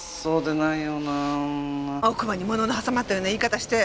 奥歯にものの挟まったような言い方して。